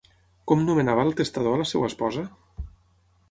Com nomenava el testador a la seva esposa?